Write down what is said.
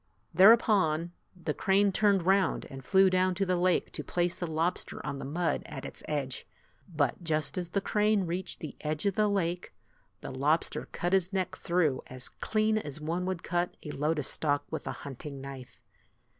Thereupon, the crane turned round and flew down to the lake to place the lobster on the mud at its edge. But just as the crane reached the edge of the lake, the lobster cut his neck through as clean as one would cut a lotus stalk with a hunting knife.